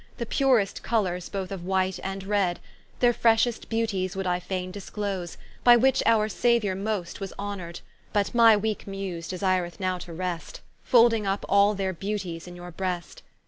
The purest colours both of White and Red, Their freshest beauties would I faine disclose, By which our Sauiour most was honoured: But my weake Muse desireth now to rest, Folding vp all their Beauties in your breast.